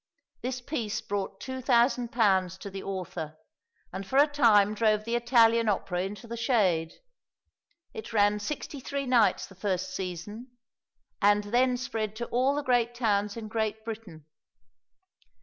This piece brought £2000 to the author, and for a time drove the Italian Opera into the shade. It ran sixty three nights the first season, and then spread to all the great towns in Great Britain.